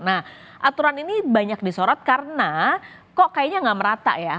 nah aturan ini banyak disorot karena kok kayaknya nggak merata ya